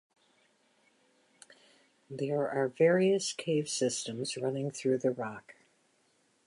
There are various cave systems running through the rock.